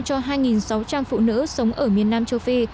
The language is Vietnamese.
cho hai sáu trăm linh phụ nữ sống ở miền nam châu phi